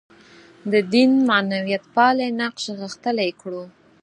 د دین معنویتپالی نقش غښتلی کړو.